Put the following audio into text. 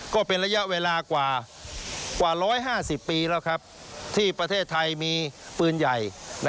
ก็เป็นระยะเวลากว่า๑๕๐ปีแล้วครับที่ประเทศไทยมีปืนใหญ่